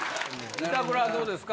板倉どうですか？